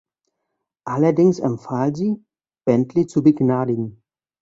Allerdings empfahl sie, Bentley zu begnadigen.